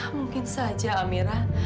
mungkin saja amirah